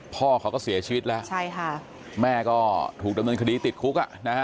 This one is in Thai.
พ่อเขาก็เสียชีวิตแล้วใช่ค่ะแม่ก็ถูกดำเนินคดีติดคุก